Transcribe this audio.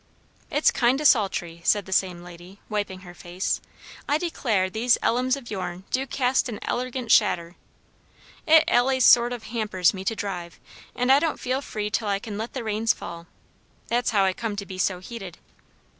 "It's kind o' sultry," said the same lady, wiping her face. "I declare these ellums o' yourn do cast an elegant shadder. It allays sort o' hampers me to drive, and I don't feel free till I can let the reins fall; that's how I come to be so heated.